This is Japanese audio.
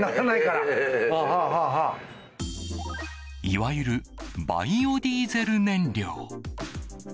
いわゆるバイオディーゼル燃料。